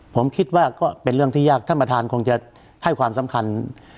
ผมคิดว่าก็เป็นเรื่องที่ยากท่านประธานคงจะให้ความสำคัญ